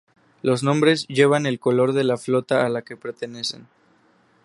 Los nombres llevan el color de la flota a la que pertenecen.